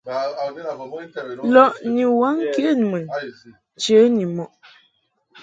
Lɔʼ ni waŋ ŋkenmun nche ni mɔʼ.